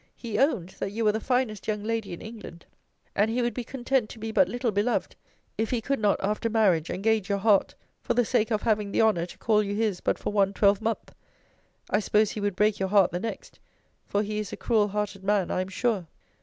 He owned, that you were the finest young lady in England, and he would be content to be but little beloved, if he could not, after marriage, engage your heart, for the sake of having the honour to call you his but for one twelvemonth I suppose he would break your heart the next for he is a cruel hearted man, I am sure.